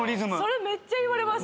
それめっちゃ言われます。